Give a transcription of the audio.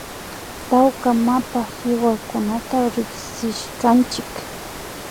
Tawka mapa kiwakunata rikshishkanchik